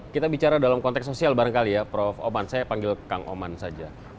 kita bicara dalam konteks sosial barangkali ya prof oman saya panggil kang oman saja